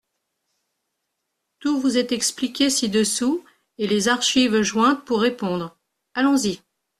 Tout vous est expliqué ci-dessous et les archives jointes pour répondre, allons-y !